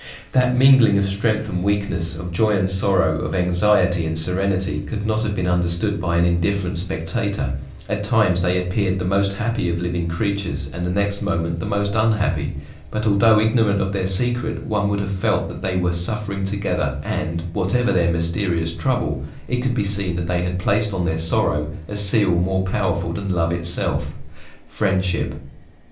That mingling of strength and weakness, of joy and sorrow, of anxiety and serenity could not have been understood by an indifferent spectator; at times they appeared the most happy of living creatures, and the next moment the most unhappy; but although ignorant of their secret, one would have felt that they were suffering together, and, whatever their mysterious trouble, it could be seen that they had placed on their sorrow a seal more powerful than love itself friendship.